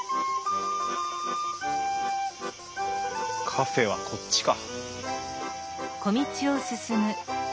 カフェはこっちか。